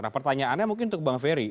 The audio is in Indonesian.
nah pertanyaannya mungkin untuk bang ferry